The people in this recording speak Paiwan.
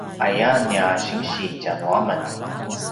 aya nia sinsi tjanuamen